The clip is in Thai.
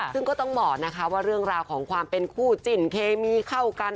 ซึ่งก็ต้องบอกนะคะว่าเรื่องราวของความเป็นคู่จิ้นเคมีเข้ากัน